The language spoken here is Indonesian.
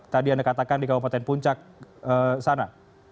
tadi anda katakan di kabupaten puncak sana